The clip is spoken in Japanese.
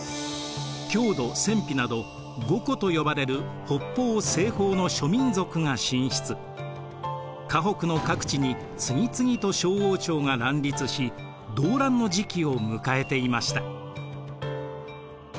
匈奴鮮卑など五胡と呼ばれる北方西方の諸民族が進出華北の各地に次々と小王朝が乱立し動乱の時期を迎えていました。